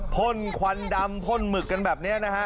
พ่นควันดำพ่นหมึกกันแบบนี้นะฮะ